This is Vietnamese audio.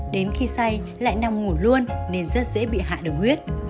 đến khi say lại nằm ngủ luôn nên rất dễ bị hạ đường huyết